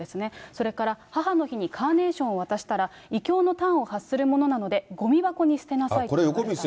それから、母の日にカーネーションを渡したら、異教の端を発するものなので、ごみ箱に捨てなさいと言われた。